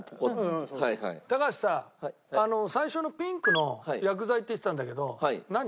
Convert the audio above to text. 高橋さ最初のピンクの薬剤って言ってたんだけど何？